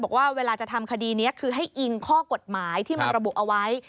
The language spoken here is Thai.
บอกว่าเวลาจะทำคดีนี้คือให้อิงข้อกฎหมายที่มันระบุเอาไว้